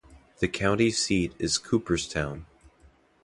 The county seat is Cooperstown.